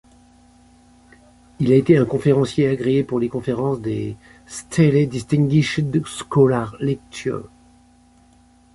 Il a été un conférencier agréé pour les conférences des Staley Distinguished Scholar Lectures.